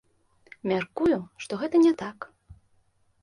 Мяркую, што гэта не так.